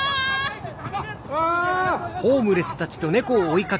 お。